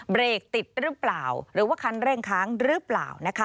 เบรกติดหรือเปล่าหรือว่าคันเร่งค้างหรือเปล่านะคะ